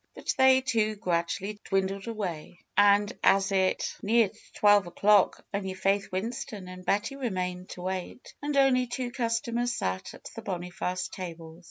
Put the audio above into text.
But they, too, gradually dwindled away. And as it FAITH ^12 neared twelve o'clock only Faith Winston and Betty remained to wait, and only two customers sat at the Boniface tables.